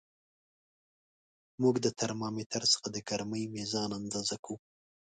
موږ د ترمامتر څخه د ګرمۍ میزان اندازه کوو.